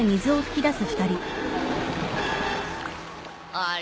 あれ？